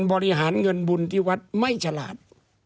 บริหารเงินบุญที่วัดไม่ฉลาด